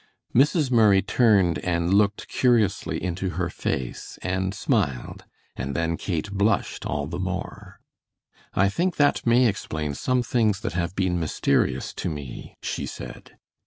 Mrs. Murray turned and looked curiously into her face and smiled, and then Kate blushed all the more. "I think that may explain some things that have been mysterious to me," she said.